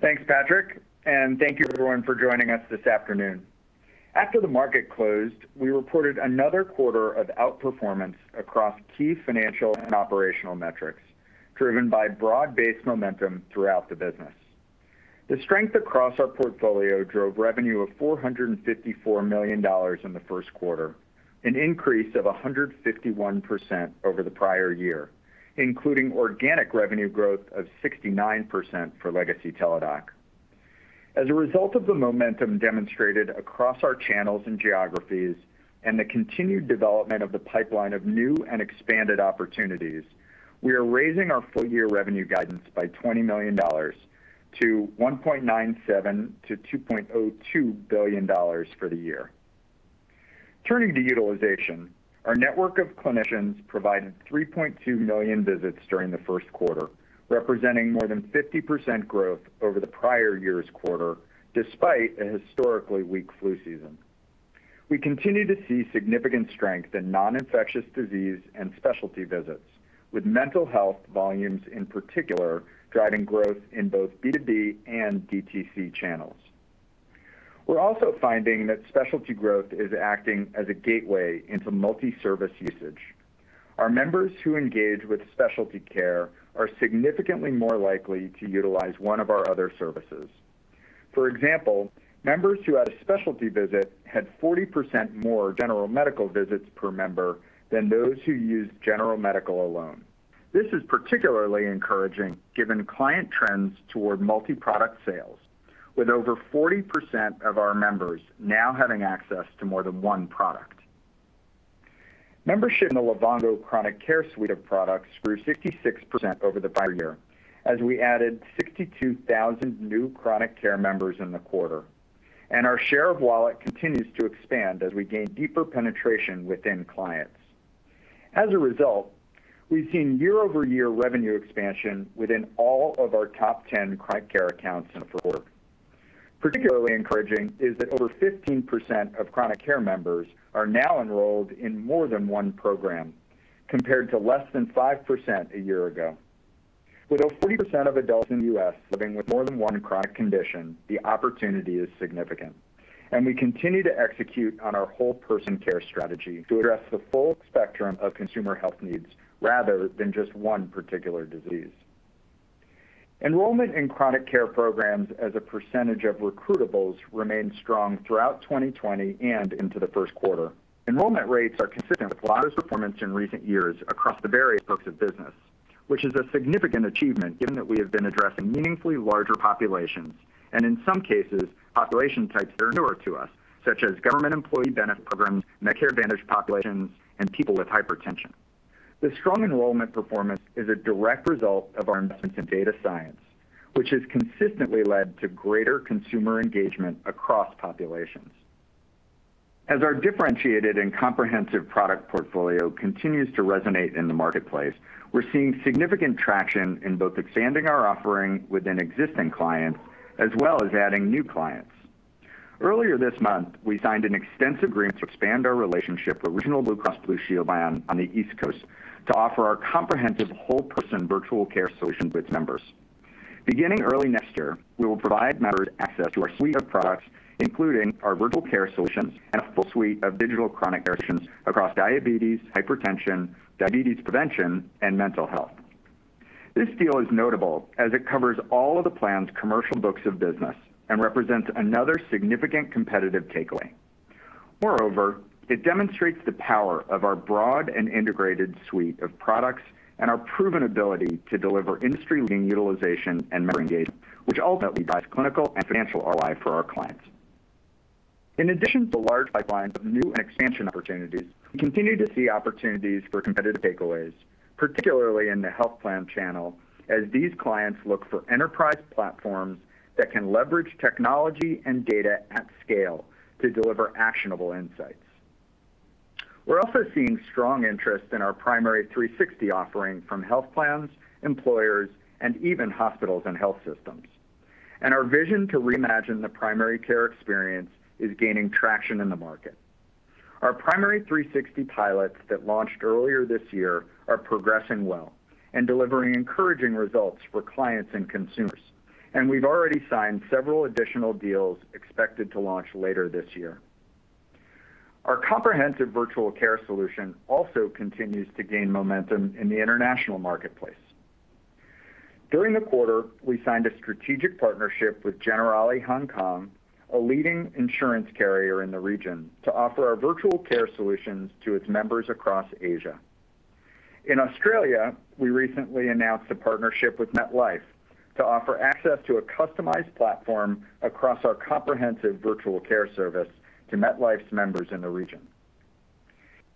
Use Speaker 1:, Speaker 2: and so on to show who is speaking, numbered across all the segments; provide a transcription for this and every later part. Speaker 1: Thanks, Patrick, and thank you everyone for joining us this afternoon. After the market closed, we reported another quarter of outperformance across key financial and operational metrics, driven by broad-based momentum throughout the business. The strength across our portfolio drove revenue of $454 million in the first quarter, an increase of 151% over the prior year, including organic revenue growth of 69% for Legacy Teladoc. As a result of the momentum demonstrated across our channels and geographies and the continued development of the pipeline of new and expanded opportunities, we are raising our full-year revenue guidance by $20 million to $1.97 billion-$2.02 billion for the year. Turning to utilization, our network of clinicians provided 3.2 million visits during the first quarter, representing more than 50% growth over the prior year's quarter, despite a historically weak flu season. We continue to see significant strength in non-infectious disease and specialty visits, with mental health volumes in particular, driving growth in both B2B and DTC channels. We're also finding that specialty growth is acting as a gateway into multi-service usage. Our members who engage with specialty care are significantly more likely to utilize one of our other services. For example, members who had a specialty visit had 40% more general medical visits per member than those who used general medical alone. This is particularly encouraging given client trends toward multi-product sales, with over 40% of our members now having access to more than one product. Membership in the Livongo Chronic Care suite of products grew 66% over the prior year as we added 62,000 new chronic care members in the quarter, and our share of wallet continues to expand as we gain deeper penetration within clients. As a result, we've seen year-over-year revenue expansion within all of our top 10 Chronic Care accounts in Q4. Particularly encouraging is that over 15% of Chronic Care members are now enrolled in more than one program, compared to less than 5% a year ago. With over 40% of adults in the U.S. living with more than one chronic condition, the opportunity is significant, and we continue to execute on our whole-person care strategy to address the full spectrum of consumer health needs rather than just one particular disease. Enrollment in Chronic Care programs as a percentage of recruitables remained strong throughout 2020 and into the first quarter. Enrollment rates are consistent with prior performance in recent years across the various books of business, which is a significant achievement given that we have been addressing meaningfully larger populations and, in some cases, population types that are newer to us, such as government employee benefit programs, Medicare Advantage populations, and people with hypertension. The strong enrollment performance is a direct result of our investment in data science, which has consistently led to greater consumer engagement across populations. As our differentiated and comprehensive product portfolio continues to resonate in the marketplace, we're seeing significant traction in both expanding our offering within existing clients as well as adding new clients. Earlier this month, we signed an extensive agreement to expand our relationship with Regional Blue Cross Blue Shield on the East Coast to offer our comprehensive whole-person virtual care solution to its members. Beginning early next year, we will provide members access to our suite of products, including our virtual care solutions and a full suite of digital chronic care solutions across diabetes, hypertension, diabetes prevention, and mental health. This deal is notable as it covers all of the plan's commercial books of business and represents another significant competitive takeaway. Moreover, it demonstrates the power of our broad and integrated suite of products and our proven ability to deliver industry-leading utilization and member engagement, which ultimately drives clinical and financial ROI for our clients. In addition to large pipelines of new and expansion opportunities, we continue to see opportunities for competitive takeaways, particularly in the health plan channel, as these clients look for enterprise platforms that can leverage technology and data at scale to deliver actionable insights. We're also seeing strong interest in our Primary360 offering from health plans, employers, and even hospitals and health systems. Our vision to reimagine the primary care experience is gaining traction in the market. Our Primary360 pilots that launched earlier this year are progressing well and delivering encouraging results for clients and consumers, and we've already signed several additional deals expected to launch later this year. Our comprehensive virtual care solution also continues to gain momentum in the international marketplace. During the quarter, we signed a strategic partnership with Generali Hong Kong, a leading insurance carrier in the region, to offer our virtual care solutions to its members across Asia. In Australia, we recently announced a partnership with MetLife to offer access to a customized platform across our comprehensive virtual care service to MetLife's members in the region.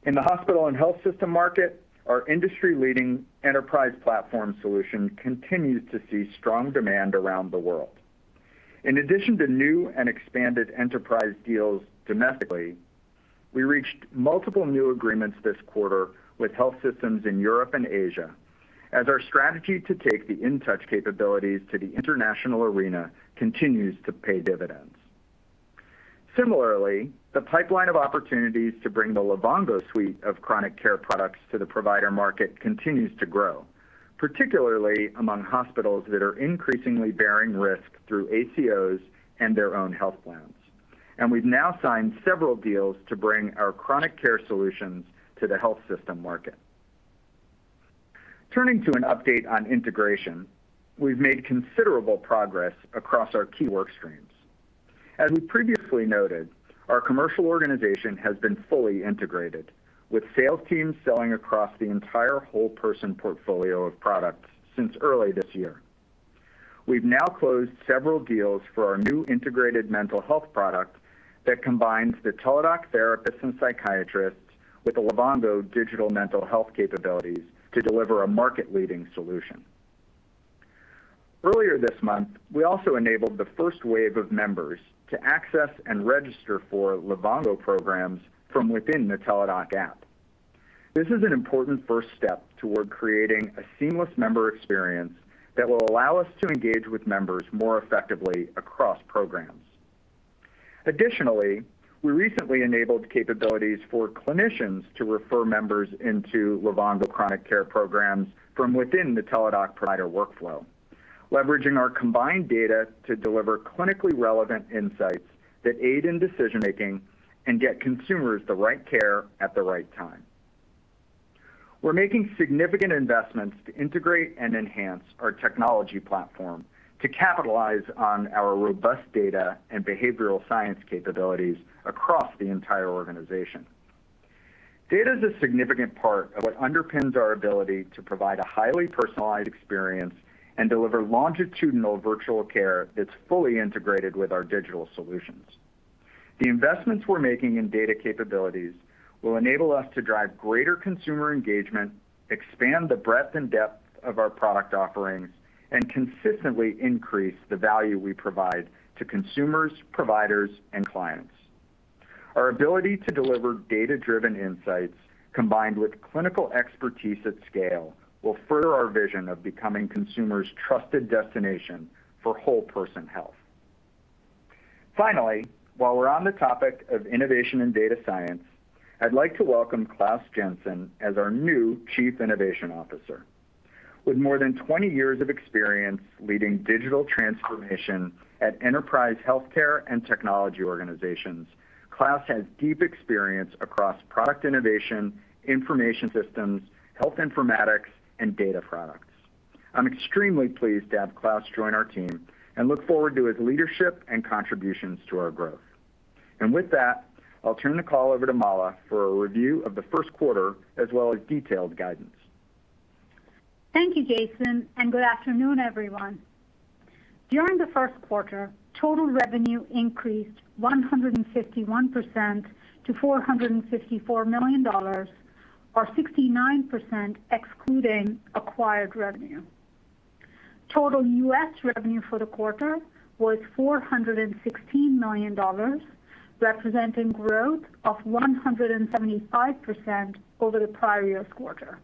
Speaker 1: In the hospital and health system market, our industry-leading enterprise platform solution continues to see strong demand around the world. In addition to new and expanded enterprise deals domestically, we reached multiple new agreements this quarter with health systems in Europe and Asia as our strategy to take the InTouch capabilities to the international arena continues to pay dividends. Similarly, the pipeline of opportunities to bring the Livongo suite of chronic care products to the provider market continues to grow, particularly among hospitals that are increasingly bearing risk through ACOs and their own health plans. We've now signed several deals to bring our chronic care solutions to the health system market. Turning to an update on integration, we've made considerable progress across our key work streams. As we previously noted, our commercial organization has been fully integrated, with sales teams selling across the entire whole-person portfolio of products since early this year. We've now closed several deals for our new integrated mental health product that combines the Teladoc therapists and psychiatrists with the Livongo digital mental health capabilities to deliver a market-leading solution. Earlier this month, we also enabled the first wave of members to access and register for Livongo programs from within the Teladoc app. This is an important first step toward creating a seamless member experience that will allow us to engage with members more effectively across programs. Additionally, we recently enabled capabilities for clinicians to refer members into Livongo Chronic Care programs from within the Teladoc provider workflow, leveraging our combined data to deliver clinically relevant insights that aid in decision-making and get consumers the right care at the right time. We're making significant investments to integrate and enhance our technology platform to capitalize on our robust data and behavioral science capabilities across the entire organization. Data is a significant part of what underpins our ability to provide a highly personalized experience and deliver longitudinal virtual care that's fully integrated with our digital solutions. The investments we're making in data capabilities will enable us to drive greater consumer engagement, expand the breadth and depth of our product offerings, and consistently increase the value we provide to consumers, providers, and clients. Our ability to deliver data-driven insights, combined with clinical expertise at scale, will further our vision of becoming consumers' trusted destination for whole person health. Finally, while we're on the topic of innovation in data science, I'd like to welcome Claus Jensen as our new Chief Innovation Officer. With more than 20 years of experience leading digital transformation at enterprise healthcare and technology organizations, Claus Jensen has deep experience across product innovation, information systems, health informatics, and data products. I'm extremely pleased to have Claus join our team, and look forward to his leadership and contributions to our growth. With that, I'll turn the call over to Mala for a review of the first quarter, as well as detailed guidance.
Speaker 2: Thank you, Jason, and good afternoon, everyone. During the first quarter, total revenue increased 151% to $454 million, or 69% excluding acquired revenue. Total US revenue for the quarter was $416 million, representing growth of 175% over the prior year's quarter.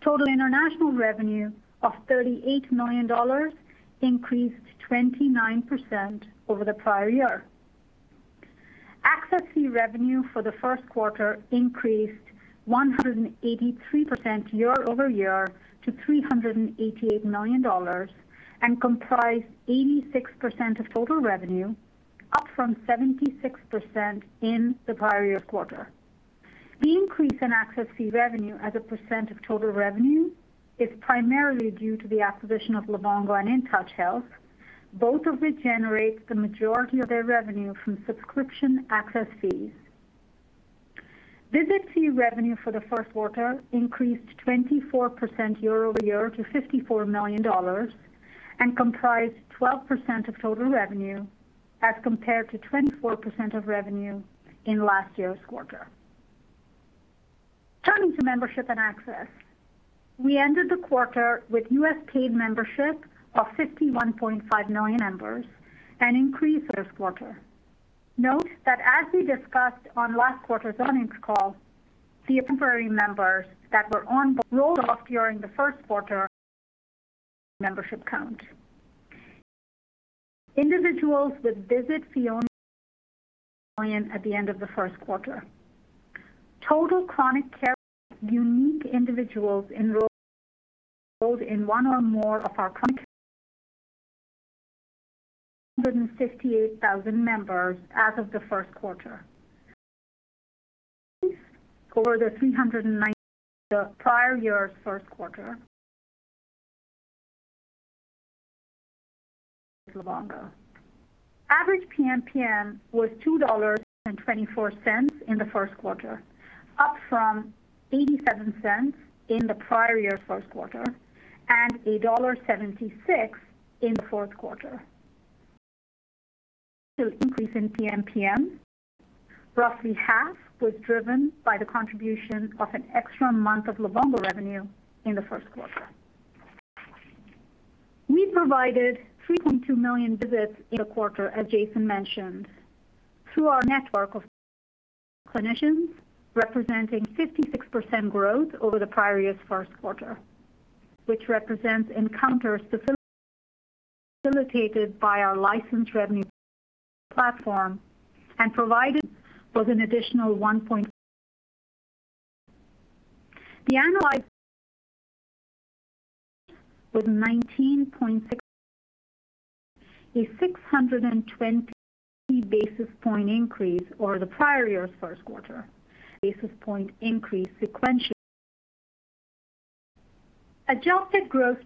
Speaker 2: Total international revenue of $38 million increased 29% over the prior year. Access fee revenue for the first quarter increased 183% year-over-year to $388 million and comprised 86% of total revenue, up from 76% in the prior year's quarter. The increase in access fee revenue as a percent of total revenue is primarily due to the acquisition of Livongo and InTouch Health, both of which generate the majority of their revenue from subscription access fees. Visit fee revenue for the first quarter increased 24% year-over-year to $54 million and comprised 12% of total revenue as compared to 24% of revenue in last year's quarter. Turning to membership and access. We ended the quarter with U.S. paid membership of 51.5 million members, an increase this quarter. Note that as we discussed on last quarter's earnings call, the temporary members that were on board rolled off during the first quarter membership count. Individuals with visit fee at the end of the first quarter. Total chronic care unique individuals enrolled in one or more of our chronic 158,000 members as of the first quarter over the 319 the prior year's first quarter. Livongo. Average PMPM was $2.24 in the first quarter, up from $0.87 in the prior year's first quarter and $1.76 in the fourth quarter. To increase in PMPM, roughly half was driven by the contribution of an extra month of Livongo revenue in the first quarter. We provided 3.2 million visits in the quarter, as Jason mentioned, through our network of clinicians representing 56% growth over the prior year's first quarter, which represents encounters facilitated by our licensed revenue platform and provided with an additional one point. The annualized was 19.6, a 620 basis point increase over the prior year's first quarter. Basis point increase sequentially. Adjusted gross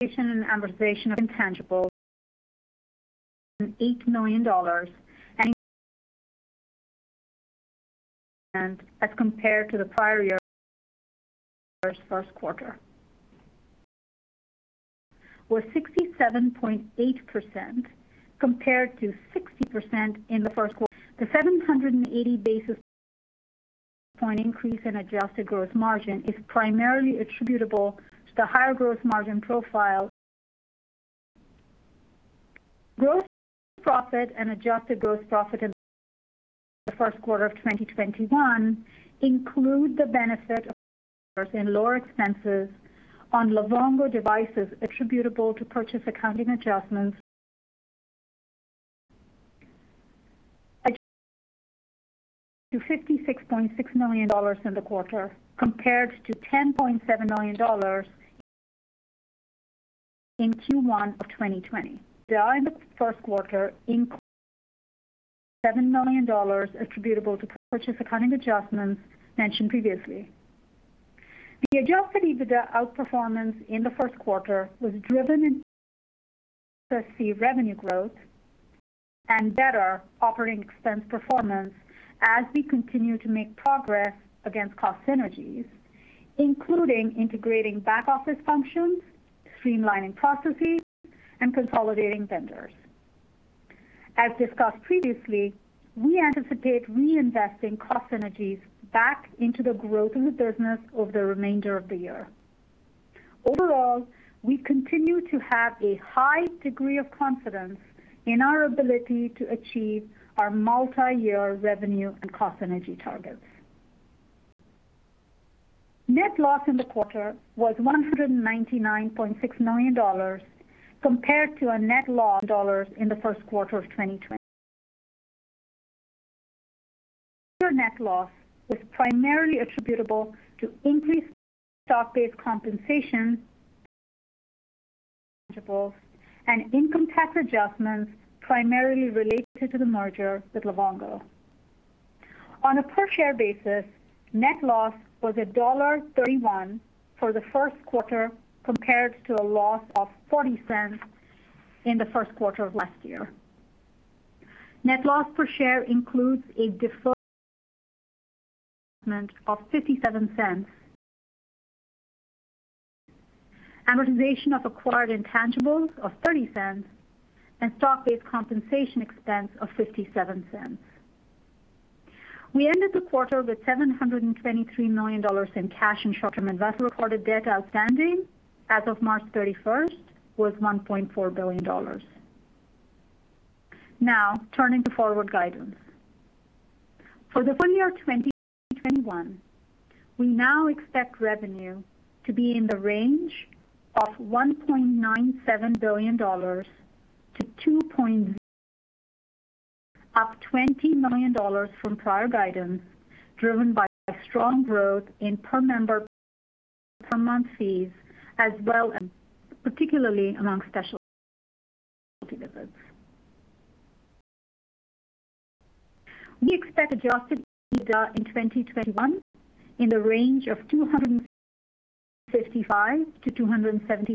Speaker 2: profit and amortization of intangibles, $8 million, and as compared to the prior year's first quarter was 67.8% compared to 60% in the first quarter. The 780 basis point increase in adjusted gross margin is primarily attributable to the higher growth margin profile. Gross profit and adjusted gross profit in the first quarter of 2021 include the benefit lower expenses on Livongo devices attributable to purchase accounting adjustments. Adjusted to $56.6 million in the quarter compared to $10.7 million in Q1 of 2020. They are in the first quarter, $[77] million attributable to purchase accounting adjustments mentioned previously. The adjusted EBITDA outperformance in the first quarter was driven by increased revenue growth and better operating expense performance as we continue to make progress against cost synergies, including integrating back-office functions, streamlining processes, and consolidating vendors. As discussed previously, we anticipate reinvesting cost synergies back into the growth in the business over the remainder of the year. Overall, we continue to have a high degree of confidence in our ability to achieve our multi-year revenue and cost synergy targets. Net loss in the quarter was $199.6 million compared to a net loss dollars in the first quarter of 2020. Net loss was primarily attributable to increased stock-based compensation, intangibles, and income tax adjustments primarily related to the merger with Livongo. On a per-share basis, net loss was $1.31 for the first quarter, compared to a loss of $0.40 in the first quarter of last year. Net loss per share includes a of $0.57, amortization of acquired intangibles of $0.30, and stock-based compensation expense of $0.57. We ended the quarter with $723 million in cash and short-term investments. Recorded debt outstanding as of March 31st was $1.4 billion. Now, turning to forward guidance. For the full year 2021, we now expect revenue to be in the range of $1.97 billion-[$2.0 billion], up $20 million from prior guidance, driven by strong growth in Per Member Per Month fees, as well, particularly among specialty visits. We expect adjusted EBITDA in 2021 in the range of $255 million-$275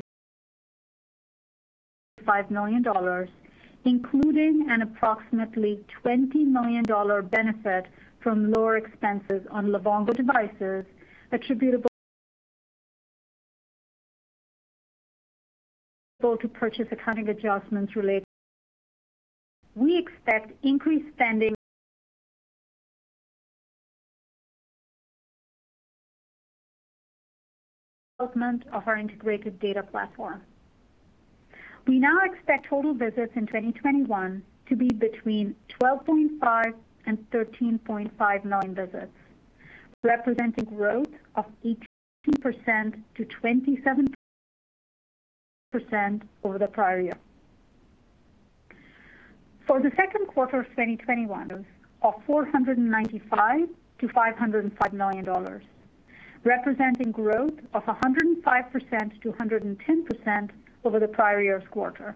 Speaker 2: million, including an approximately $20 million benefit from lower expenses on Livongo devices attributable to purchase accounting adjustments related. We expect increased spending development of our integrated data platform. We now expect total visits in 2021 to be between 12.5 and 13.59 million visits, representing growth of 18%-27% over the prior year. For the second quarter of 2021 of $495 million-$505 million, representing growth of 105%-110% over the prior year's quarter.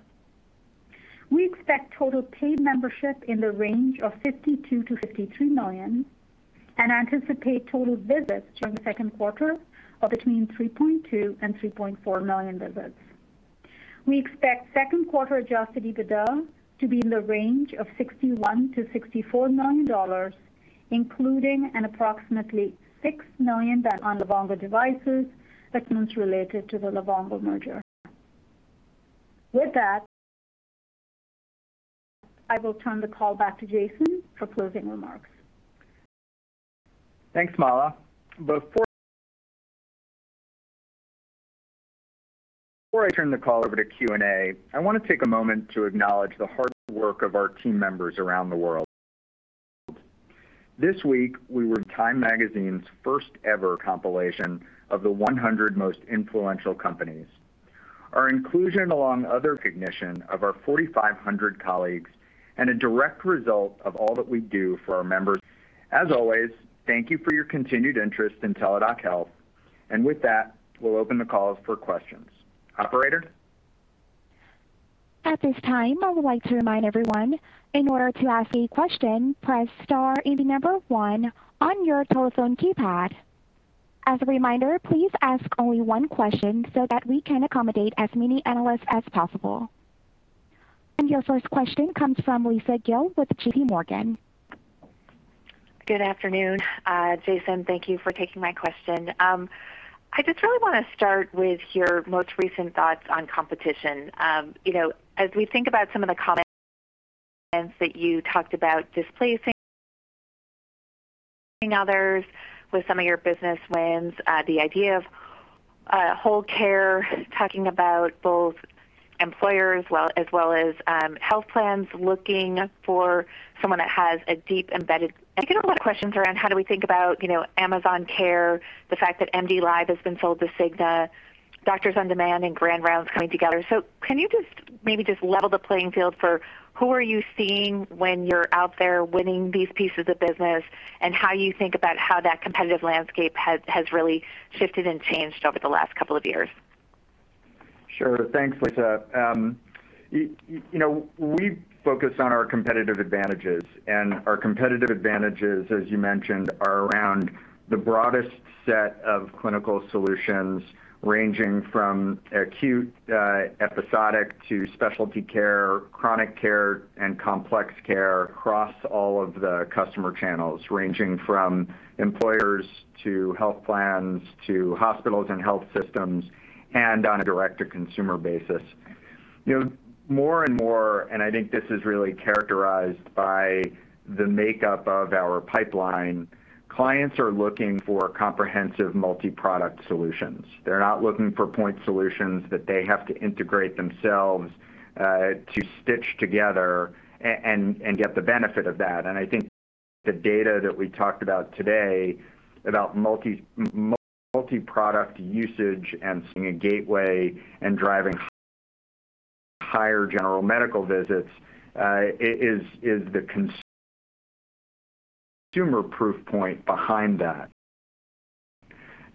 Speaker 2: We expect total paid membership in the range of 52 million-53 million and anticipate total visits during the second quarter of between 3.2 million and 3.4 million visits. We expect second quarter adjusted EBITDA to be in the range of $61 million-$64 million, including an approximately $6 million on Livongo devices, expense related to the Livongo merger. With that, I will turn the call back to Jason for closing remarks.
Speaker 1: Thanks, Mala. Before I turn the call over to Q&A, I want to take a moment to acknowledge the hard work of our team members around the world. This week, we were in TIME Magazine's first-ever compilation of the 100 Most Influential Companies. Our inclusion along other recognition of our 4,500 colleagues, and a direct result of all that we do for our members. As always, thank you for your continued interest in Teladoc Health. With that, we'll open the call for questions. Operator?
Speaker 3: At this time, I would like to remind everyone, in order to ask a question, press star and the number one on your telephone keypad. As a reminder, please ask only one question so that we can accommodate as many analysts as possible. Your first question comes from Lisa Gill with JPMorgan.
Speaker 4: Good afternoon, Jason. Thank you for taking my question. I just really want to start with your most recent thoughts on competition. As we think about some of the comments that you talked about displacing others with some of your business wins, the idea of whole care, talking about both employers, as well as health plans looking for someone that has a deep embedded. We get a lot of questions around how do we think about Amazon Care, the fact that MDLIVE has been sold to Cigna, Doctor On Demand and Grand Rounds coming together. Can you just maybe just level the playing field for who are you seeing when you're out there winning these pieces of business, and how you think about how that competitive landscape has really shifted and changed over the last couple of years?
Speaker 1: Sure. Thanks, Lisa. We focus on our competitive advantages, our competitive advantages, as you mentioned, are around the broadest set of clinical solutions, ranging from acute, episodic to specialty care, chronic care, and complex care across all of the customer channels, ranging from employers to health plans, to hospitals and health systems, and on a direct-to-consumer basis. More and more, I think this is really characterized by the makeup of our pipeline, clients are looking for comprehensive multi-product solutions. They're not looking for point solutions that they have to integrate themselves to stitch together and get the benefit of that. I think the data that we talked about today, about multi-product usage and seeing a gateway and driving higher general medical visits, is the consumer proof point behind that.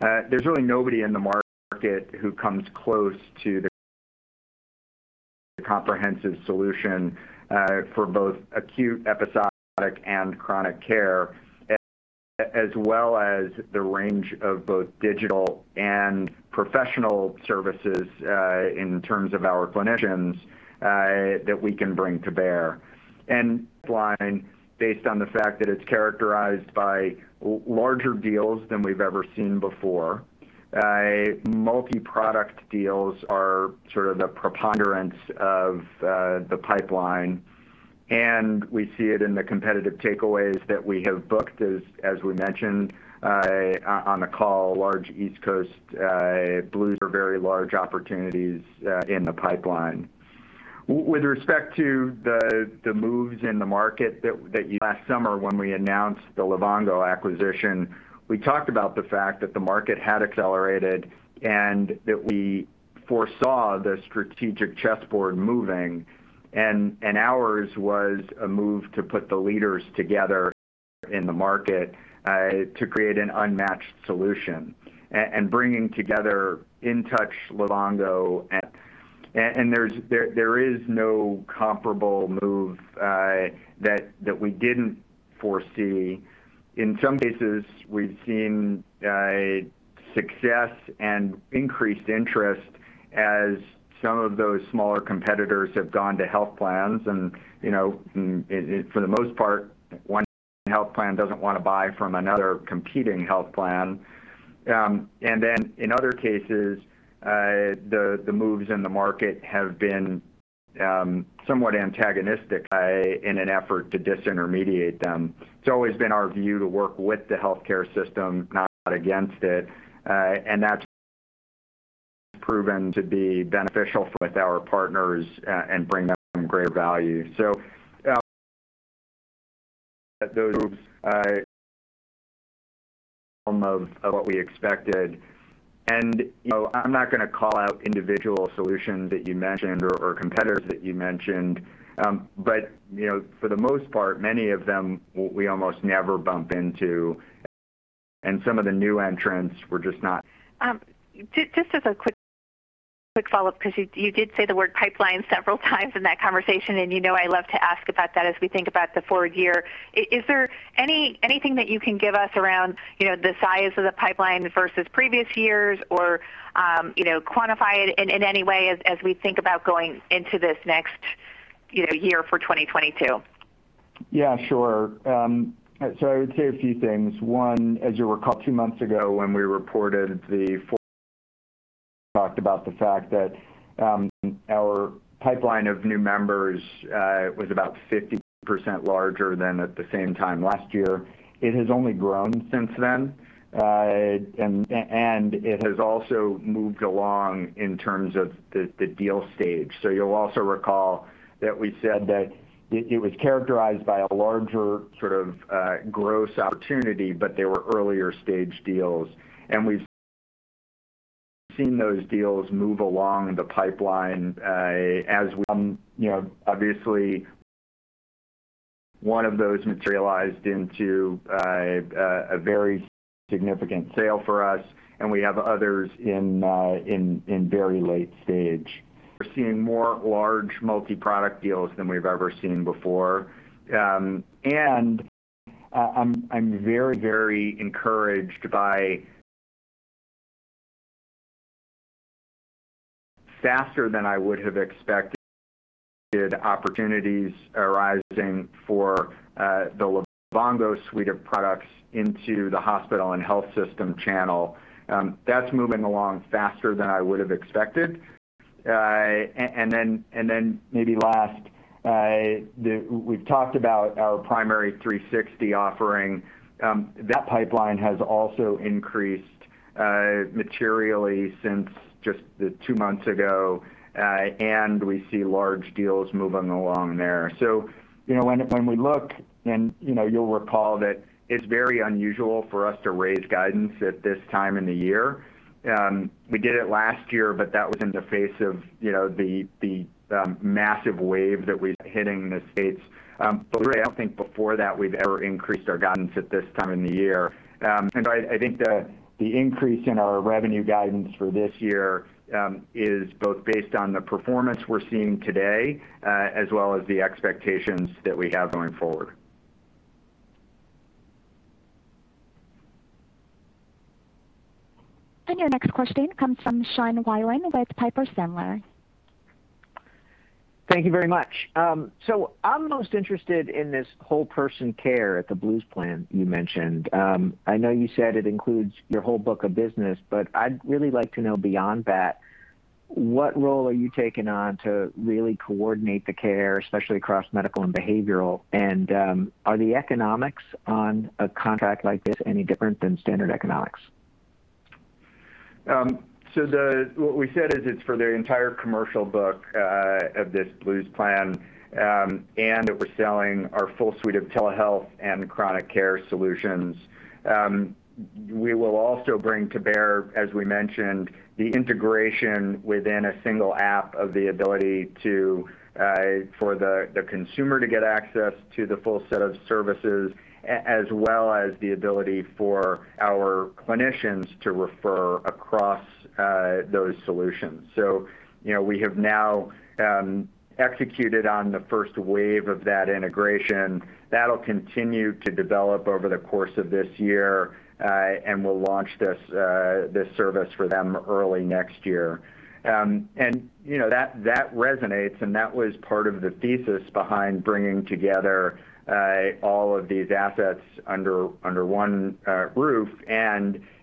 Speaker 1: There's really nobody in the market who comes close to the comprehensive solution for both acute, episodic, and chronic care, as well as the range of both digital and professional services, in terms of our clinicians, that we can bring to bear. Pipeline, based on the fact that it's characterized by larger deals than we've ever seen before. Multi-product deals are sort of the preponderance of the pipeline, and we see it in the competitive takeaways that we have booked, as we mentioned on the call. Large East Coast Blues are very large opportunities in the pipeline. With respect to the moves in the market. Last summer, when we announced the Livongo acquisition, we talked about the fact that the market had accelerated and that we foresaw the strategic chessboard moving, and ours was a move to put the leaders together in the market, to create an unmatched solution, and bringing together InTouch, Livongo. There is no comparable move that we didn't foresee. In some cases, we've seen success and increased interest as some of those smaller competitors have gone to health plans, and for the most part, one health plan doesn't want to buy from another competing health plan. In other cases, the moves in the market have been somewhat antagonistic in an effort to disintermediate them. It's always been our view to work with the healthcare system, not against it. That's proven to be beneficial with our partners, and bring them greater value. Those moves, of what we expected. I'm not going to call out individual solutions that you mentioned or competitors that you mentioned. For the most part, many of them we almost never bump into and some of the new entrance. We're just not.
Speaker 4: Just as a quick follow-up, because you did say the word pipeline several times in that conversation, and you know I love to ask about that as we think about the forward year. Is there anything that you can give us around the size of the pipeline versus previous years? Or quantify it in any way as we think about going into this next year for 2022?
Speaker 1: Yeah, sure. I would say a few things. One, as you'll recall, two months ago when we reported, the talked about the fact that our pipeline of new members was about 50% larger than at the same time last year. It has only grown since then. It has also moved along in terms of the deal stage. You'll also recall that we said that it was characterized by a larger sort of gross opportunity, but they were earlier stage deals. We've seen those deals move along the pipeline. Obviously, one of those materialized into a very significant sale for us, and we have others in very late stage. We're seeing more large multi-product deals than we've ever seen before. I'm very encouraged by faster than I would have expected opportunities arising for the Livongo suite of products into the hospital and health system channel. That's moving along faster than I would've expected. Then maybe last, we've talked about our Primary360 offering. That pipeline has also increased materially since just the two months ago. We see large deals moving along there. When we look and you'll recall that it's very unusual for us to raise guidance at this time in the year. We did it last year, but that was in the face of the massive wave that was hitting the states. Really, I don't think before that we've ever increased our guidance at this time in the year. I think the increase in our revenue guidance for this year, is both based on the performance we're seeing today, as well as the expectations that we have going forward.
Speaker 3: Your next question comes from Sean Wieland with Piper Sandler.
Speaker 5: Thank you very much. I'm most interested in this whole-person care at the Blues plan you mentioned. I know you said it includes your whole book of business, I'd really like to know beyond that, what role are you taking on to really coordinate the care, especially across medical and behavioral? Are the economics on a contract like this any different than standard economics?
Speaker 1: What we said is it's for their entire commercial book, of this Blues plan, and that we're selling our full suite of telehealth and chronic care solutions. We will also bring to bear, as we mentioned, the integration within a single app of the ability to, for the consumer to get access to the full set of services, as well as the ability for our clinicians to refer across those solutions. We have now executed on the first wave of that integration. That'll continue to develop over the course of this year, and we'll launch this service for them early next year. That resonates, and that was part of the thesis behind bringing together all of these assets under one roof.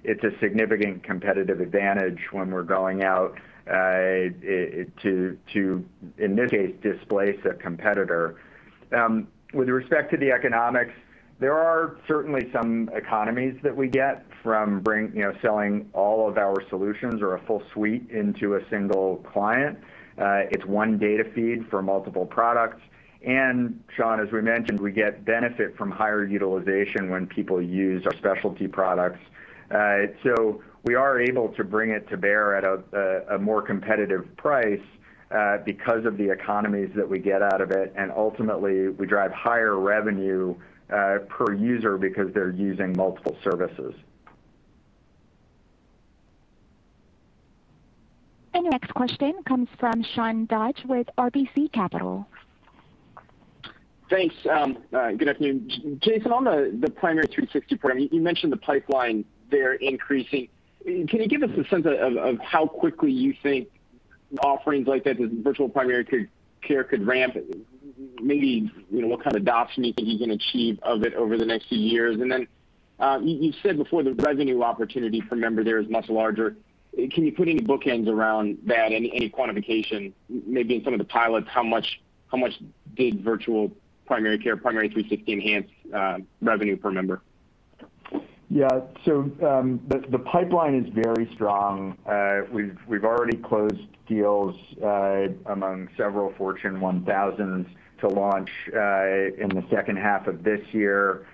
Speaker 1: It's a significant competitive advantage when we're going out to, in this case, displace a competitor. With respect to the economics, there are certainly some economies that we get from selling all of our solutions or a full suite into a single client. It's one data feed for multiple products. Sean, as we mentioned, we get benefit from higher utilization when people use our specialty products. We are able to bring it to bear at a more competitive price, because of the economies that we get out of it. Ultimately, we drive higher revenue per user because they're using multiple services.
Speaker 3: Your next question comes from Sean Dodge with RBC Capital.
Speaker 6: Thanks. Good afternoon. Jason, on the Primary360 program, you mentioned the pipeline there increasing. Can you give us a sense of how quickly you think offerings like that with virtual primary care could ramp? Maybe, what kind of adoption you think you can achieve of it over the next few years? Then, you've said before the revenue opportunity per member there is much larger. Can you put any bookends around that, any quantification, maybe in some of the pilots, how much did virtual primary care, Primary360 enhance revenue per member?
Speaker 1: Yeah. The pipeline is very strong. We've already closed deals among several Fortune 1000s to launch in the second half of this year.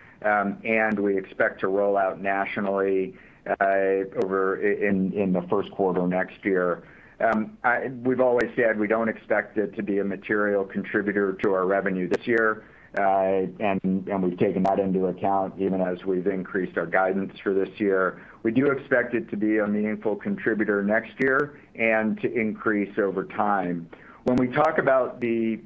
Speaker 1: We expect to roll out nationally in the first quarter next year. We've always said we don't expect it to be a material contributor to our revenue this year. We've taken that into account even as we've increased our guidance for this year. We do expect it to be a meaningful contributor next year and to increase over time. When we talk about the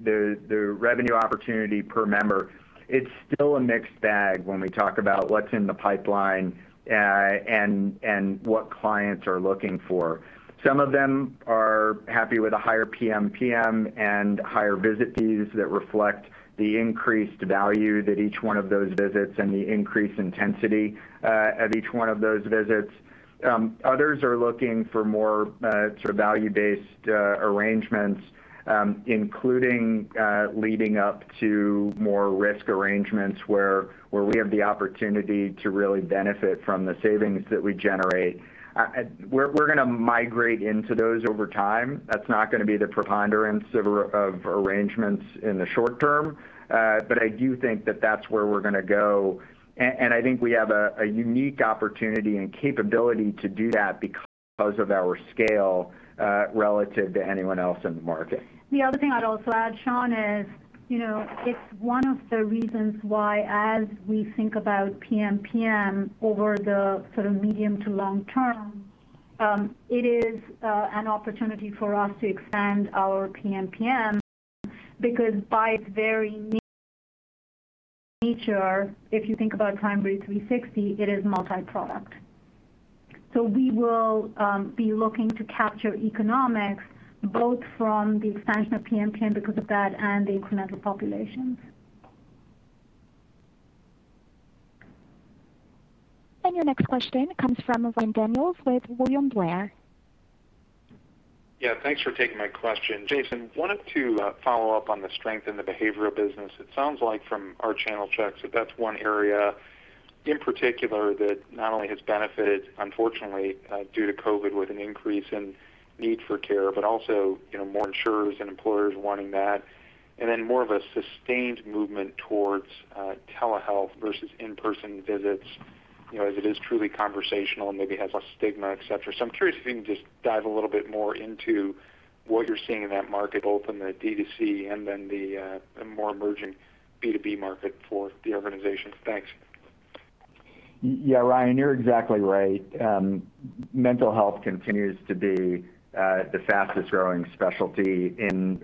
Speaker 1: revenue opportunity per member, it's still a mixed bag when we talk about what's in the pipeline, and what clients are looking for. Some of them are happy with a higher PMPM and higher visit fees that reflect the increased value that each one of those visits and the increased intensity of each one of those visits. Others are looking for more sort of value-based arrangements, including leading up to more risk arrangements, where we have the opportunity to really benefit from the savings that we generate. We're going to migrate into those over time. That's not going to be the preponderance of arrangements in the short term. I do think that that's where we're going to go. I think we have a unique opportunity and capability to do that because of our scale, relative to anyone else in the market.
Speaker 2: The other thing I'd also add, Sean, is, it's one of the reasons why as we think about PMPM over the sort of medium to long term, it is an opportunity for us to expand our PMPM, because by its very nature, if you think about Primary360, it is multi-product. We will be looking to capture economics both from the expansion of PMPM because of that and the incremental populations.
Speaker 3: Your next question comes from Ryan Daniels with William Blair.
Speaker 7: Yeah. Thanks for taking my question. Jason, I wanted to follow up on the strength in the behavioral business. It sounds like from our channel checks, that's one area in particular that not only has benefited, unfortunately, due to COVID with an increase in need for care, but also, more insurers and employers wanting that, and then more of a sustained movement towards telehealth versus in-person visits, as it is truly conversational and maybe has less stigma, et cetera. I'm curious if you can just dive a little bit more into what you're seeing in that market, both in the D2C and then the more emerging B2B market for the organization. Thanks.
Speaker 1: Yeah, Ryan, you're exactly right. Mental health continues to be the fastest growing specialty in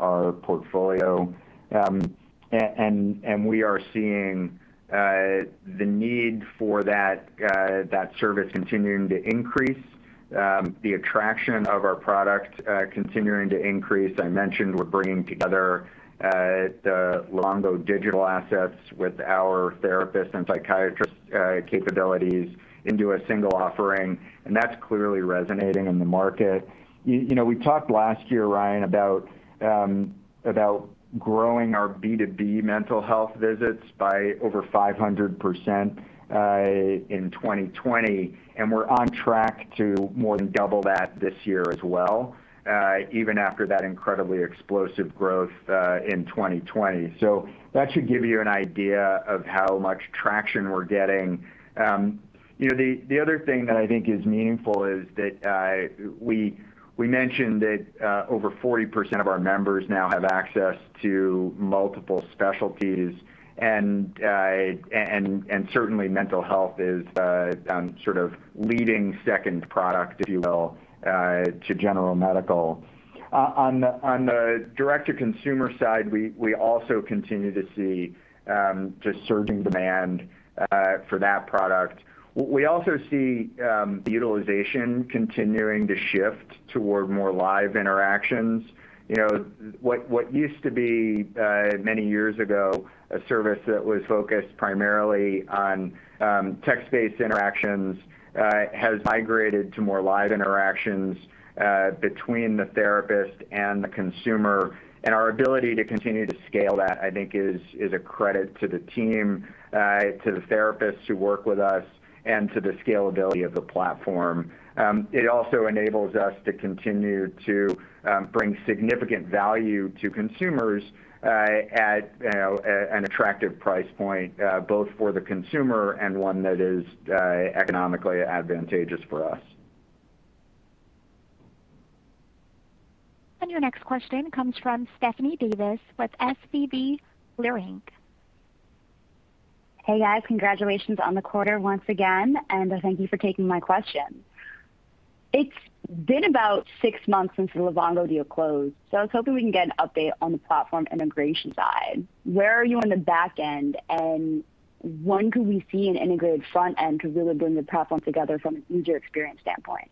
Speaker 1: our portfolio. We are seeing the need for that service continuing to increase, the attraction of our product continuing to increase. I mentioned we're bringing together the Livongo digital assets with our therapist and psychiatrist capabilities into a single offering, and that's clearly resonating in the market. We talked last year, Ryan, about growing our B2B mental health visits by over 500% in 2020, and we're on track to more than double that this year as well, even after that incredibly explosive growth in 2020. That should give you an idea of how much traction we're getting. The other thing that I think is meaningful is that, we mentioned that over 40% of our members now have access to multiple specialties. Certainly mental health is sort of leading second product, if you will, to general medical. On the direct-to-consumer side, we also continue to see just surging demand for that product. We also see the utilization continuing to shift toward more live interactions. What used to be, many years ago, a service that was focused primarily on text-based interactions, has migrated to more live interactions between the therapist and the consumer. Our ability to continue to scale that, I think, is a credit to the team, to the therapists who work with us, and to the scalability of the platform. It also enables us to continue to bring significant value to consumers at an attractive price point, both for the consumer and one that is economically advantageous for us.
Speaker 3: Your next question comes from Stephanie Davis with SVB Leerink.
Speaker 8: Hey, guys. Congratulations on the quarter once again, and thank you for taking my question. It's been about six months since the Livongo deal closed, so I was hoping we can get an update on the platform integration side. Where are you on the back end, and when could we see an integrated front end to really bring the platform together from an user experience standpoint?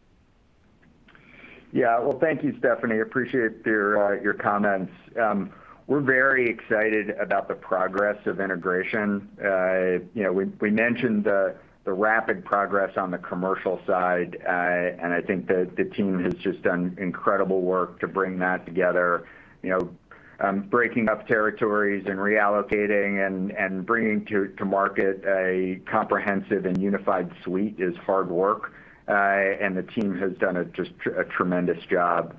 Speaker 1: Well, thank you, Stephanie. Appreciate your comments. We're very excited about the progress of integration. We mentioned the rapid progress on the commercial side, and I think the team has just done incredible work to bring that together. Breaking up territories and reallocating and bringing to market a comprehensive and unified suite is hard work, and the team has done just a tremendous job.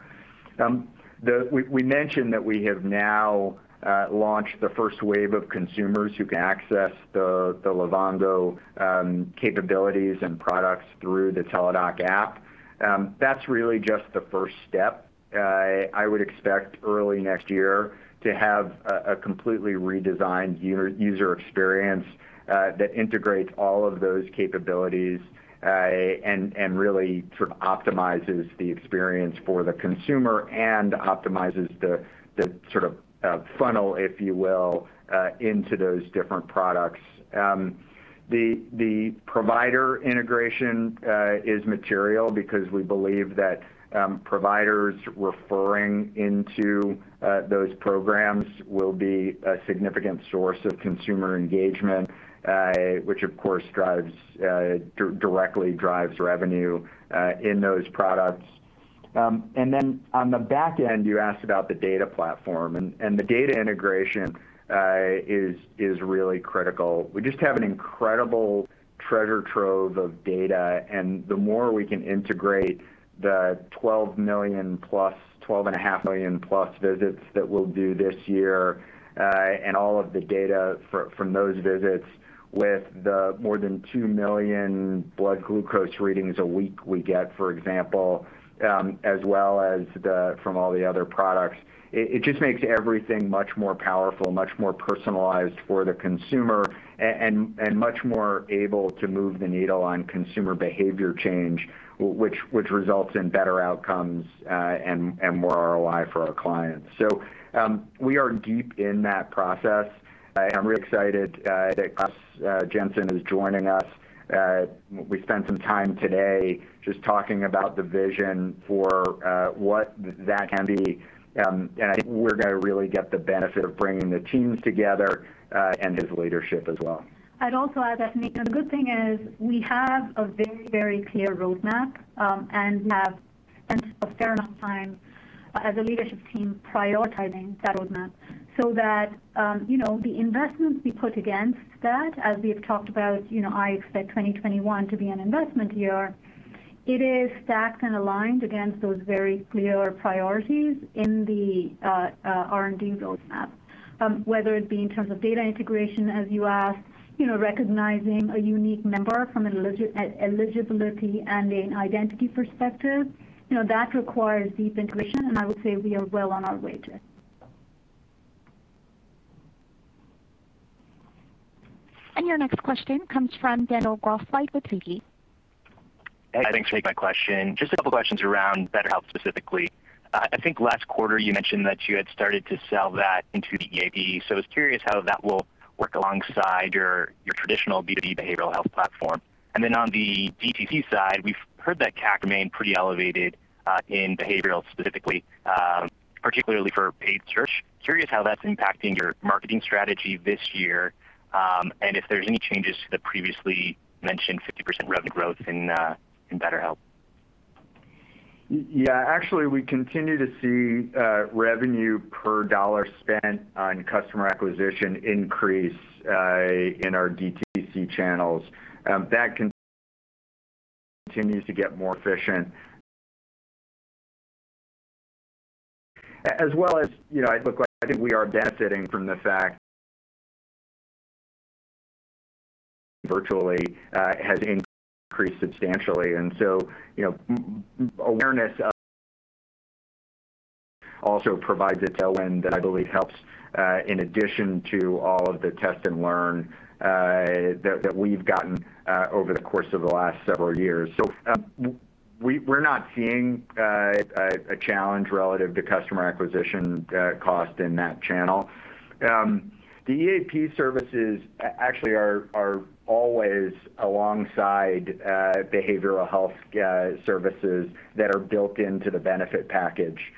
Speaker 1: We mentioned that we have now launched the first wave of consumers who can access the Livongo capabilities and products through the Teladoc app. That's really just the first step. I would expect early next year to have a completely redesigned user experience that integrates all of those capabilities, and really sort of optimizes the experience for the consumer and optimizes the sort of funnel, if you will, into those different products. The provider integration is material because we believe that providers referring into those programs will be a significant source of consumer engagement, which of course directly drives revenue in those products. Then on the back end, you asked about the data platform, and the data integration is really critical. We just have an incredible treasure trove of data, and the more we can integrate the 12.5+ million visits that we'll do this year, and all of the data from those visits with the more than two million blood glucose readings a week we get, for example, as well as from all the other products. It just makes everything much more powerful, much more personalized for the consumer, and much more able to move the needle on consumer behavior change, which results in better outcomes, and more ROI for our clients. We are deep in that process. I'm really excited that Claus Jensen is joining us. We spent some time today just talking about the vision for what that can be. I think we're going to really get the benefit of bringing the teams together, and his leadership as well.
Speaker 2: I'd also add that, Nick, the good thing is we have a very clear roadmap, and we have spent a fair amount of time as a leadership team prioritizing that roadmap so that the investments we put against that, as we have talked about, I expect 2021 to be an investment year. It is stacked and aligned against those very clear priorities in the R&D roadmap. Whether it be in terms of data integration, as you asked, recognizing a unique member from an eligibility and an identity perspective. That requires deep integration, and I would say we are well on our way to it.
Speaker 3: Your next question comes from Daniel Grosslight with Citi.
Speaker 9: Hey, thanks for taking my question. Just a couple of questions around BetterHelp specifically. I think last quarter you mentioned that you had started to sell that into the EAP. I was curious how that will work alongside your traditional B2B behavioral health platform. On the DTC side, we've heard that CAC remained pretty elevated, in behavioral specifically, particularly for paid search. Curious how that's impacting your marketing strategy this year, and if there's any changes to the previously mentioned 50% revenue growth in BetterHelp.
Speaker 1: Yeah. Actually, we continue to see revenue per dollar spent on customer acquisition increase in our DTC channels. That continues to get more efficient. As well as, I think we are benefiting from the fact virtually, has increased substantially. Awareness of also provides a tailwind that I believe helps, in addition to all of the test and learn that we've gotten over the course of the last several years. We're not seeing a challenge relative to customer acquisition cost in that channel. The EAP services actually are always alongside behavioral health services that are built into the benefit package.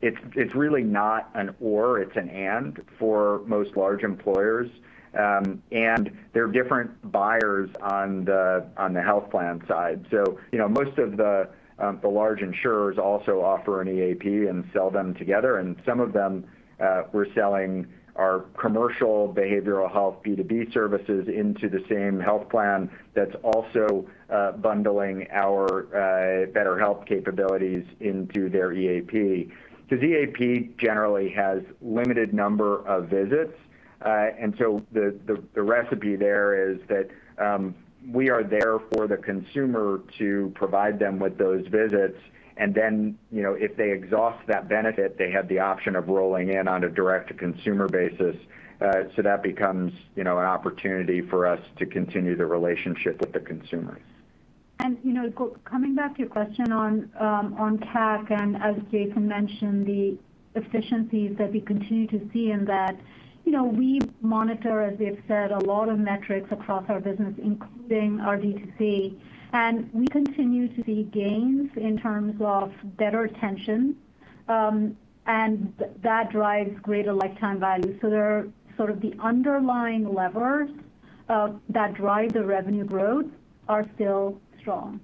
Speaker 1: It's really not an or, it's an and for most large employers. They're different buyers on the health plan side. Most of the large insurers also offer an EAP and sell them together. Some of them, we're selling our commercial behavioral health B2B services into the same health plan that's also bundling our BetterHelp capabilities into their EAP. Because EAP generally has limited number of visits. The recipe there is that, we are there for the consumer to provide them with those visits and then, if they exhaust that benefit, they have the option of rolling in on a direct-to-consumer basis. That becomes an opportunity for us to continue the relationship with the consumers.
Speaker 2: Coming back to your question on CAC, and as Jason mentioned, the efficiencies that we continue to see in that. We monitor, as we've said, a lot of metrics across our business, including our D2C, and we continue to see gains in terms of better retention, and that drives greater lifetime value. There, sort of the underlying levers that drive the revenue growth are still strong.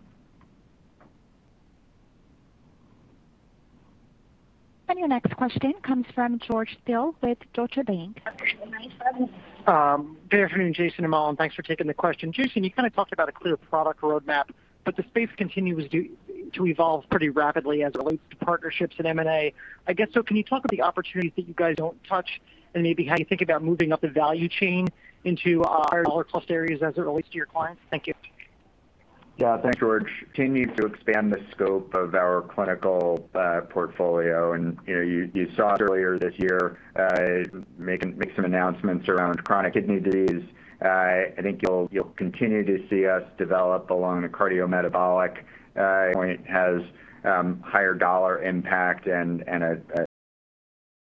Speaker 3: Your next question comes from George Hill with Deutsche Bank.
Speaker 10: Good afternoon, Jason and Mala, and thanks for taking the question. Jason, you kind of talked about a clear product roadmap, but the space continues to evolve pretty rapidly as it relates to partnerships and M&A. I guess, can you talk about the opportunities that you guys don't touch, and maybe how you think about moving up the value chain into higher dollar plus areas as it relates to your clients? Thank you.
Speaker 1: Yeah. Thanks, George. Continue to expand the scope of our clinical portfolio. You saw us earlier this year make some announcements around chronic kidney disease. I think you'll continue to see us develop along the cardiometabolic point has higher dollar impact and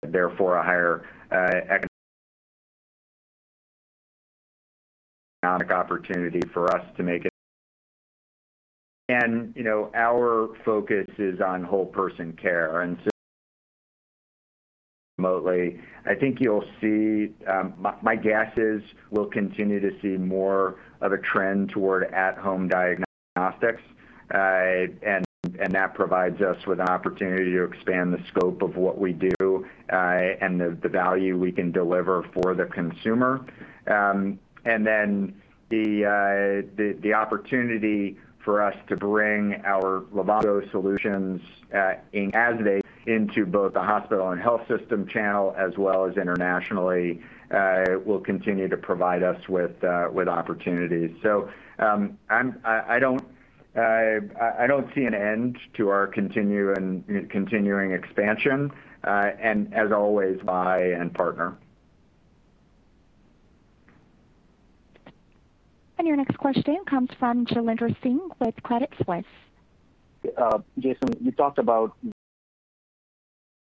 Speaker 1: therefore a higher economic opportunity for us to make it. Our focus is on whole-person care, and so remotely. I think you'll see, my guess is we'll continue to see more of a trend toward at-home diagnostics. That provides us with an opportunity to expand the scope of what we do, and the value we can deliver for the consumer. The opportunity for us to bring our Livongo solutions, as they into both the hospital and health system channel, as well as internationally, will continue to provide us with opportunities. I don't see an end to our continuing expansion. As always, buy and partner.
Speaker 3: Your next question comes from Jailendra Singh with Credit Suisse.
Speaker 11: Jason, you talked about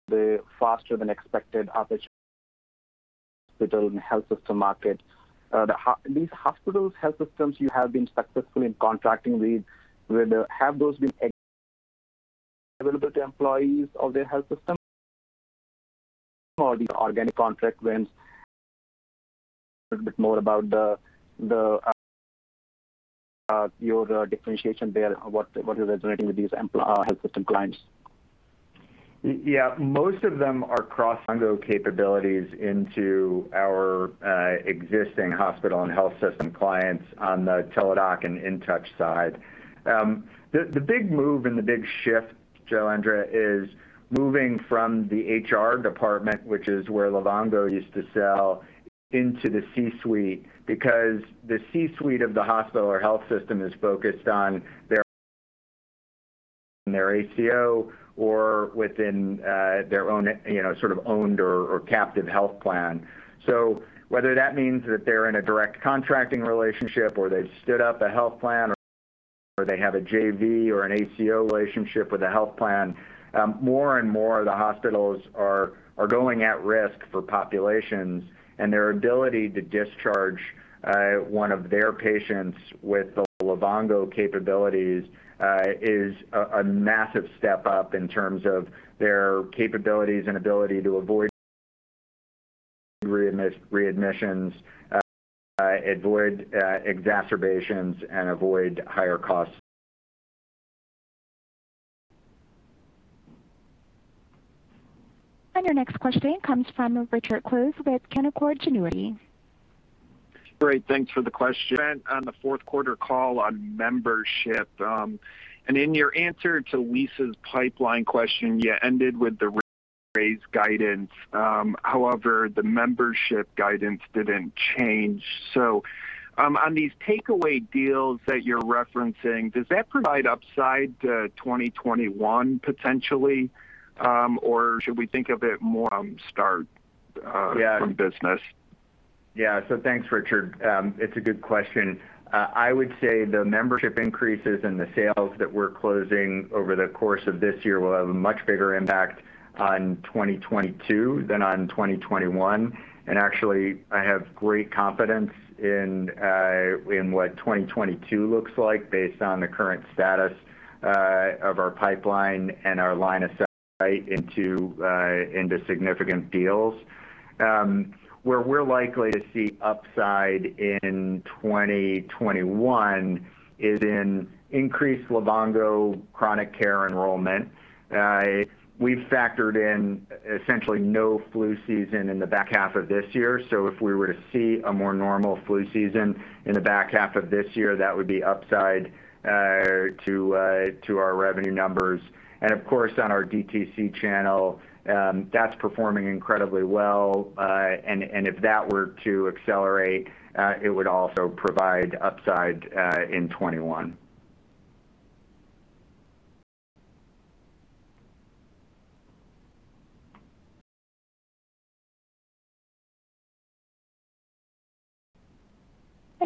Speaker 11: the faster than expected opportunity in the hospital and health system market. These hospitals health systems you have been successful in contracting with, have those been available to employees of their health system? Or these are organic contract wins? A little bit more about the, your differentiation there, what is resonating with these health system clients?
Speaker 1: Yeah. Most of them are cross Livongo capabilities into our existing hospital and health system clients on the Teladoc and InTouch side. The big move and the big shift, Jailendra, is moving from the HR department, which is where Livongo used to sell, into the C-suite because the C-suite of the hospital or health system is focused on their ACO or within their own sort of owned or captive health plan. Whether that means that they're in a direct contracting relationship, or they've stood up a health plan, or they have a JV or an ACO relationship with a health plan, more and more of the hospitals are going at risk for populations. Their ability to discharge one of their patients with the Livongo capabilities is a massive step up in terms of their capabilities and ability to avoid readmissions, avoid exacerbations, and avoid higher costs.
Speaker 3: Your next question comes from Richard Close with Canaccord Genuity.
Speaker 12: Great. Thanks for the question. On the fourth quarter call on membership, and in your answer to Lisa's pipeline question, you ended with the raised guidance. However, the membership guidance didn't change. On these takeaway deals that you're referencing, does that provide upside to 2021 potentially, or should we think of it more start?
Speaker 1: Yeah.
Speaker 12: From business?
Speaker 1: Yeah. Thanks, Richard. It's a good question. I would say the membership increases and the sales that we're closing over the course of this year will have a much bigger impact on 2022 than on 2021. Actually, I have great confidence in what 2022 looks like based on the current status of our pipeline and our line of sight into significant deals. Where we're likely to see upside in 2021 is in increased Livongo Chronic Care enrollment. We've factored in essentially no flu season in the back half of this year. If we were to see a more normal flu season in the back half of this year, that would be upside to our revenue numbers. Of course, on our DTC channel, that's performing incredibly well. If that were to accelerate, it would also provide upside in 2021.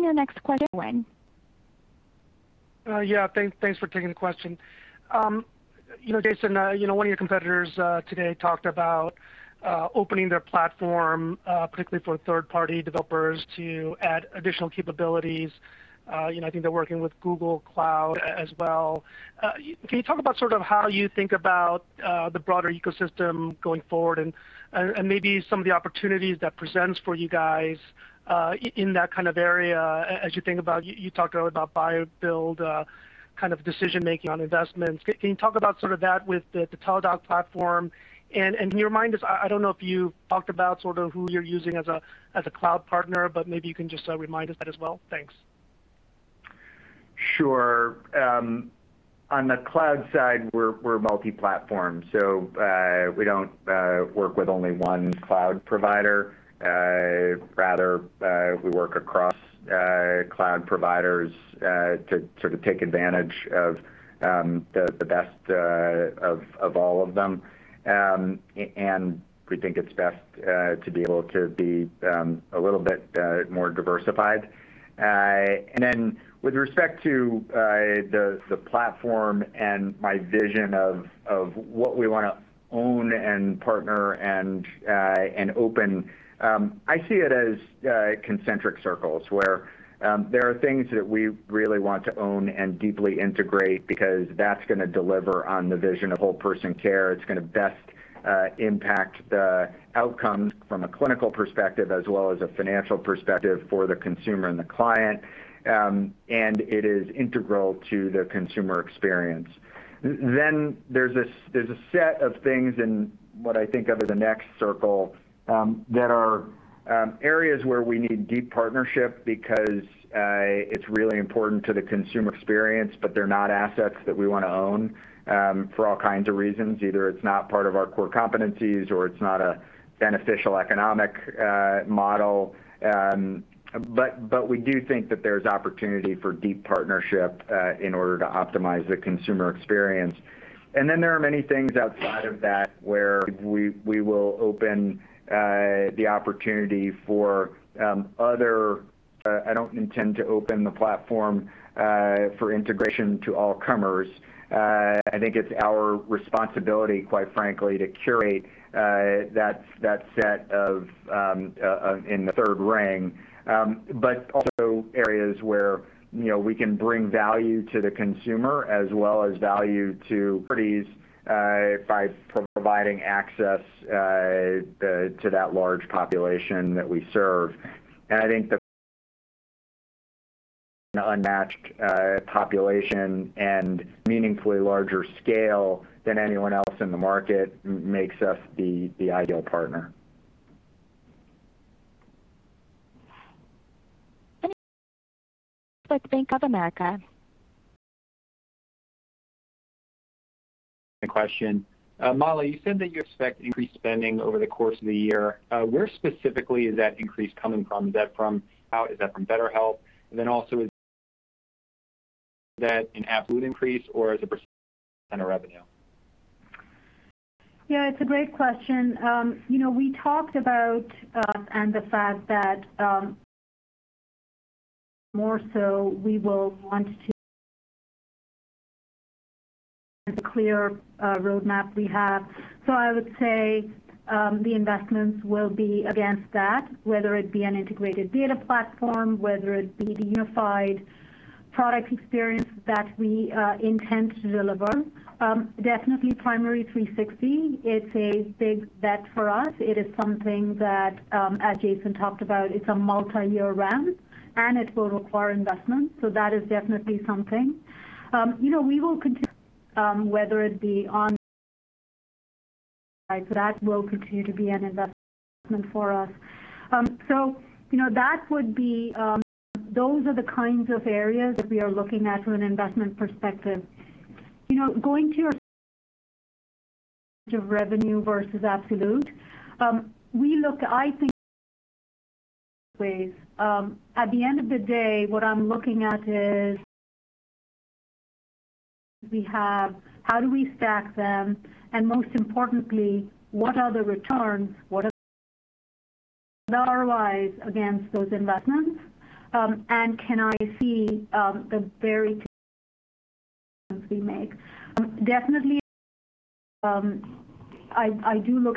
Speaker 3: Your next question. Yeah. Thanks for taking the question. Jason, one of your competitors today talked about opening their platform, particularly for third-party developers to add additional capabilities. I think they're working with Google Cloud as well. Can you talk about sort of how you think about the broader ecosystem going forward and maybe some of the opportunities that presents for you guys in that kind of area as you think about, you talked about buy, build, kind of decision making on investments. Can you talk about sort of that with the Teladoc platform? Can you remind us, I don't know if you talked about sort of who you're using as a cloud partner, but maybe you can just remind us that as well. Thanks.
Speaker 1: Sure. On the cloud side, we're multi-platform. We don't work with only one cloud provider. Rather, we work across cloud providers to sort of take advantage of the best of all of them. We think it's best to be able to be a little bit more diversified. Then with respect to the platform and my vision of what we want to own and partner and open, I see it as concentric circles where there are things that we really want to own and deeply integrate because that's gonna deliver on the vision of whole-person care. It's gonna best impact the outcome from a clinical perspective as well as a financial perspective for the consumer and the client. It is integral to the consumer experience. There's a set of things in what I think of as the next circle, that are areas where we need deep partnership because it's really important to the consumer experience, but they're not assets that we want to own for all kinds of reasons. Either it's not part of our core competencies or it's not a beneficial economic model. We do think that there's opportunity for deep partnership in order to optimize the consumer experience. There are many things outside of that where we will open the opportunity for other I don't intend to open the platform for integration to all comers. I think it's our responsibility, quite frankly, to curate that set in the third ring. Also areas where we can bring value to the consumer as well as value to parties by providing access to that large population that we serve. I think the unmatched population and meaningfully larger scale than anyone else in the market makes us the ideal partner.
Speaker 3: With Bank of America. The question. Mala, you said that you expect increased spending over the course of the year. Where specifically is that increase coming from? Is that from BetterHelp? Is that an absolute increase or as a percentage on a revenue?
Speaker 2: Yeah, it's a great question. We talked about and the fact that, more so, we will want to it's a clear roadmap we have. I would say, the investments will be against that, whether it be an integrated data platform, whether it be the unified product experience that we intend to deliver. Definitely Primary360, it's a big bet for us. It is something that, as Jason talked about, it's a multi-year ramp, and it will require investment. That is definitely something. We will continue whether they on, that will continue to be an investment for us. That would be, those are the kinds of areas that we are looking at from an investment perspective. Going to revenue versus absolute. We look, I think, ways. At the end of the day, what I'm looking at is, we have, how do we stack them? Most importantly, what are the returns? What are our ROIs against those investments? Can I see, the very decisions we make? Definitely, I do look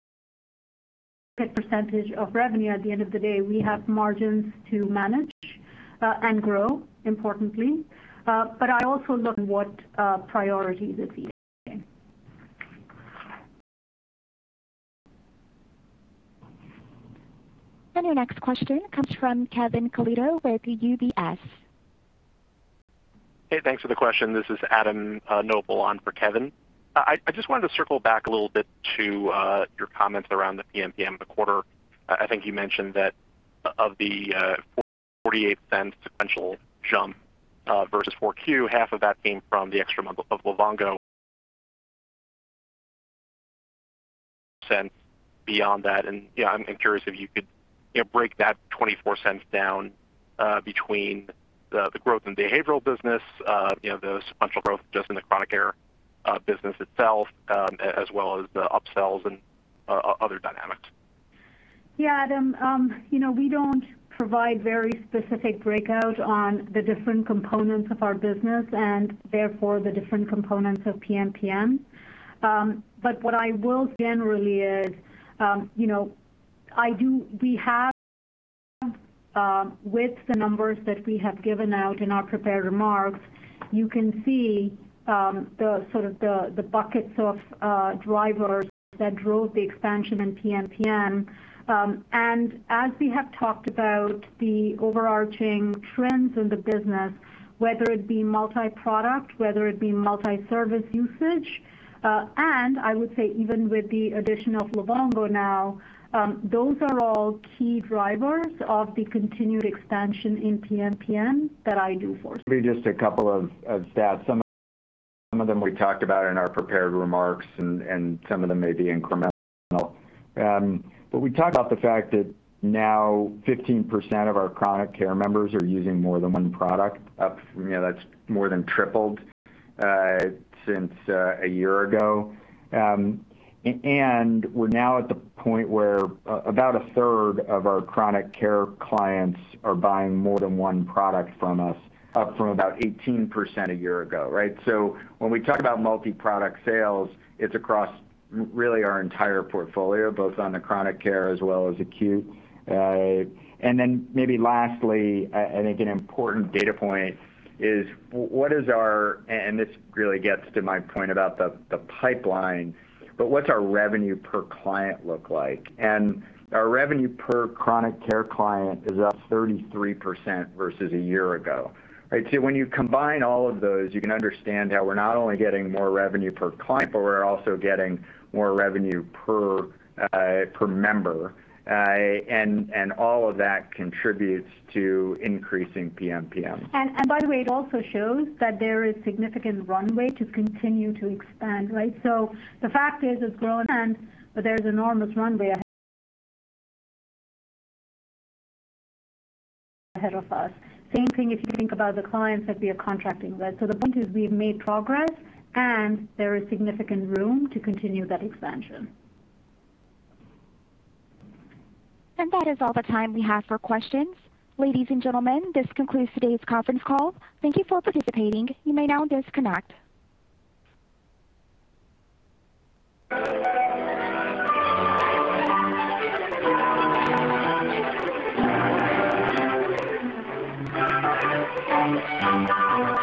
Speaker 2: at percentage of revenue. At the end of the day, we have margins to manage, and grow, importantly. I also look at what priorities are feeding.
Speaker 3: Your next question comes from Kevin Caliendo with UBS.
Speaker 13: Hey, thanks for the question. This is Adam Noble on for Kevin. I just wanted to circle back a little bit to your comments around the PMPM in the quarter. I think you mentioned that of the $0.48 sequential jump, versus 4Q, half of that came from the extra month of Livongo. Beyond that, yeah, I'm curious if you could break that $0.24 down, between the growth in behavioral business, the sequential growth just in the chronic care business itself, as well as the upsells and other dynamics.
Speaker 2: Yeah, Adam. We don't provide very specific breakout on the different components of our business and therefore the different components of PMPM. What I will say generally is, we have, with the numbers that we have given out in our prepared remarks, you can see the buckets of drivers that drove the expansion in PMPM. As we have talked about the overarching trends in the business, whether it be multi-product, whether it be multi-service usage, and I would say even with the addition of Livongo now, those are all key drivers of the continued expansion in PMPM that I do foresee.
Speaker 1: Maybe just a couple of stats. Some of them we talked about in our prepared remarks, and some of them may be incremental. We talked about the fact that now 15% of our chronic care members are using more than one product. That's more than tripled since a year ago. We're now at the point where about a third of our chronic care clients are buying more than one product from us, up from about 18% a year ago, right? When we talk about multi-product sales, it's across really our entire portfolio, both on the chronic care as well as acute. Then maybe lastly, I think an important data point is, and this really gets to my point about the pipeline, but what's our revenue per client look like? Our revenue per chronic care client is up 33% versus a year ago, right? When you combine all of those, you can understand how we're not only getting more revenue per client, but we're also getting more revenue per member. All of that contributes to increasing PMPM.
Speaker 2: By the way, it also shows that there is significant runway to continue to expand, right? The fact is it's grown, and there's enormous runway ahead of us. Same thing if you think about the clients that we are contracting, right? The point is we have made progress and there is significant room to continue that expansion.
Speaker 3: That is all the time we have for questions. Ladies and gentlemen, this concludes today's conference call. Thank you for participating. You may now disconnect.